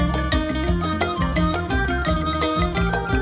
สวัสดีครับ